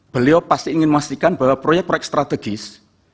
beliau pasti ingin memastikan bahwa proyek proyek strategis